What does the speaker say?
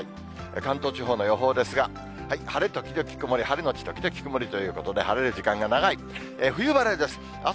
関東地方の予報ですが、晴れ時々曇り、晴れ後時々曇りということで、晴れる時間が長い、冬晴れです。